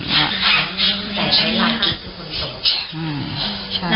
แต่ถ้ายังหาจะเป็นคนส่ง